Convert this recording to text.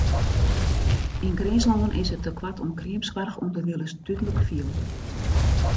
Yn Grinslân is it tekoart oan kreamsoarch ûnderwilens dúdlik fielber.